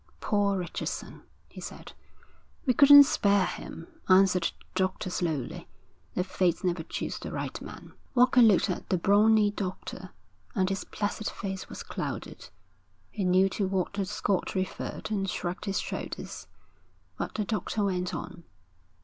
'Poor Richardson,' he said. 'We couldn't spare him,' answered the doctor slowly. 'The fates never choose the right man.' Walker looked at the brawny doctor, and his placid face was clouded. He knew to what the Scot referred and shrugged his shoulders. But the doctor went on.